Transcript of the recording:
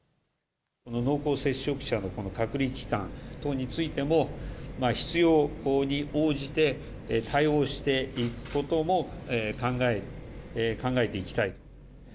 濃厚接触者のこの隔離期間等についても、必要に応じて対応していくことも考えていきたい。